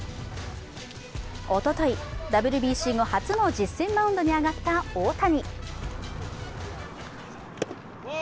おととい、ＷＢＣ後初の実践マウンドに上がった大谷。